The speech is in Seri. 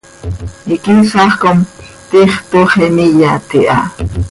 Iquiisax com, tiix toox imiyat iha.